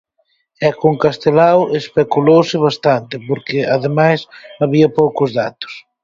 E con Castelao especulouse bastante porque, ademais, había poucos datos.